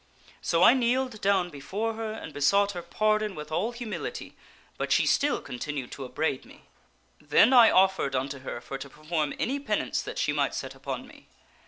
So I kneeled down before her and besought her pardon with all humility, but she still continued to upbraid me. Then I offered unto her for to perform any penance that she might set upon me.